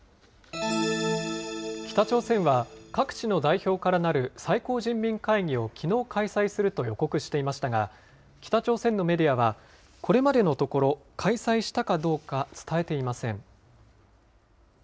北朝鮮は、各地の代表からなる最高人民会議をきのう開催すると予告していましたが、北朝鮮のメディアは、これまでのところ、開催したかどうか伝えていません。